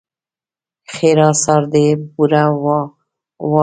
ښېرا؛ سار دې بوره وراره شي!